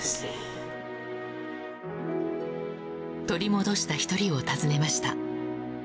取り戻した１人を訪ねました。